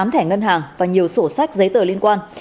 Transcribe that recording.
tám thẻ ngân hàng và nhiều sổ sách giấy tờ liên quan